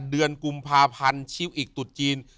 เดือนกุมภาพันธ์ชิวอิกตุดจีน